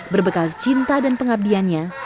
berbekal cinta dan pengabdiannya